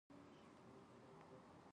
دا د خبیثه کړۍ د عمل پایله ده.